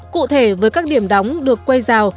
cụ thể với các điểm đóng được quay rào